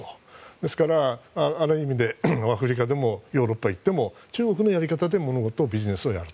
ですからアフリカでもヨーロッパに行っても中国のやり方で物事、ビジネスをやる。